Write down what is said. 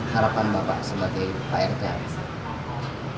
harapan bapak sebagai pak rt harapan